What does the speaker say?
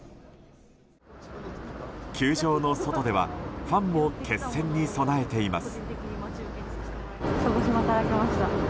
球場の外ではファンも決戦に備えています。